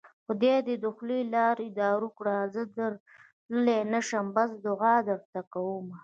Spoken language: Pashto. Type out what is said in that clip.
خدای دې د خولې لاړې دارو کړه زه درتلی نشم بس دوعا درته کوومه